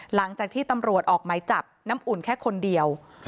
หลังจากที่ตำรวจออกไหมจับน้ำอุ่นแค่คนเดียว